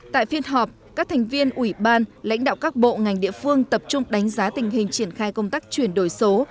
tại phiên họp các thành viên ủy ban lãnh đạo các bộ ngành địa phương tập trung đánh giá tình hình triển khai công tác chuyển đổi số